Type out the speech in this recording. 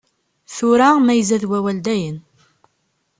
Tura ma izad wawal dayen.